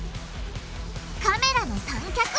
カメラの三脚。